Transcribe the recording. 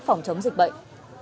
phòng chống dịch bệnh